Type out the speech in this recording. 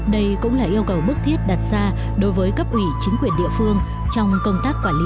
đây cũng là yêu cầu bước thiết đặt ra đối với cấp ủy chính quyền địa phương trong công tác quản lý đô thị